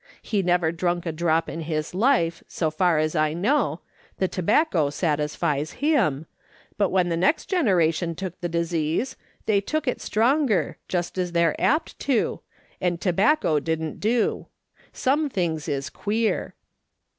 He never drank a drop in his life, so far as I know : the tobacco satisfias him; but when the next generation took the disease, they took it stronger, just as they're apt to, and tobacco didn't do. Some things is queer."